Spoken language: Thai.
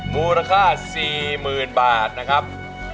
บูรคา๔๐๐๐๐บาทนะครับ